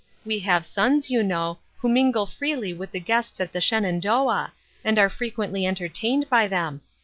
We have sons, you know, who mingle freely with the guests at the Shenandoah, and are frequently entertained by them.